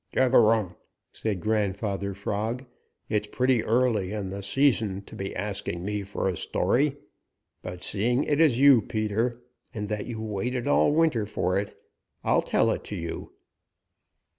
"Chug a rum!" said Grandfather Frog. "It's pretty early in the season to be asking me for a story, but seeing it is you, Peter, and that you've waited all winter for it, I'll tell it to you.